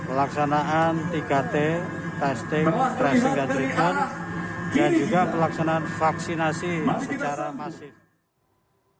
pelaksanaan tiga t testing dan juga pelaksanaan vaksinasi secara masif